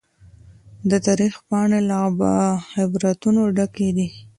د تاريخ پاڼي له عبرتونو ډکي دي.